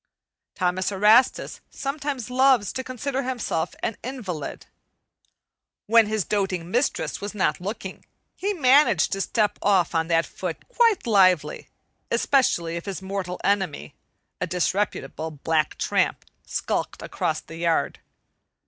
Thomas Erastus sometimes loves to consider himself an invalid. When his doting mistress was not looking, he managed to step off on that foot quite lively, especially if his mortal enemy, a disreputable black tramp, skulked across the yard.